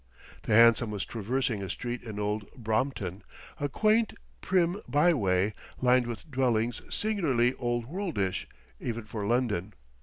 The hansom was traversing a street in Old Brompton a quaint, prim by way lined with dwellings singularly Old Worldish, even for London.